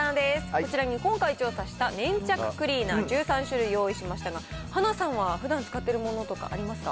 こちらに今回調査した粘着クリーナー１３種類用意しましたが、はなさんは、ふだん使っているものとかありますか？